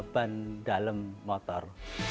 ban dalem motor